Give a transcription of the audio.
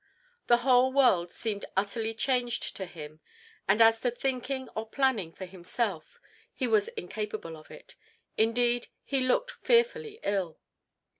The whole world seemed utterly changed to him, and as to thinking or planning for himself, he was incapable of it; indeed, he looked fearfully ill.